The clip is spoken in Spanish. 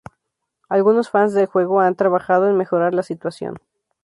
Algunos fans del juego han trabajado en mejorar la situación.